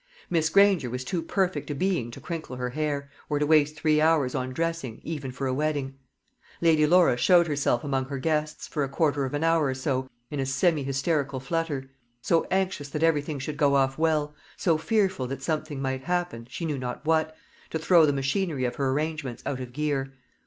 Miss Granger was too perfect a being to crinkle her hair, or to waste three hours on dressing, even for a wedding. Lady Laura showed herself among her guests, for a quarter of an hour or so, in a semi hysterical flutter; so anxious that everything should go off well, so fearful that something might happen, she knew not what, to throw the machinery of her arrangements out of gear.